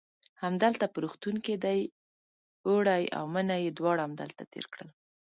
همدلته په روغتون کې دی، اوړی او منی یې دواړه همدلته تېر کړل.